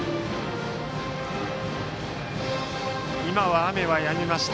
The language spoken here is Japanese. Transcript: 今は雨はやみました。